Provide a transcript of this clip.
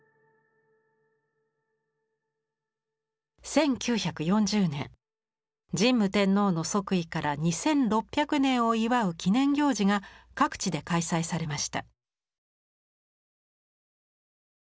１９４０年神武天皇の即位から２，６００年を祝う記念行事が各地で開催されました。